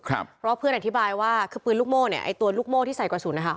ครับเพราะเพื่อนอธิบายว่าคือปืนลูกโม้เนี่ยไอ้ตัวลูกโม้ที่ใส่กว่าศูนย์นะฮะ